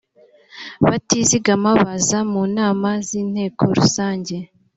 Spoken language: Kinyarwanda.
batizigama baza mu nama z inteko rusange